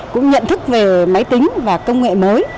cũng nhận thức về máy tính và công nghệ mới